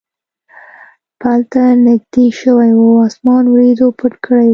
پل ته نږدې شوي و، اسمان وریځو پټ کړی و.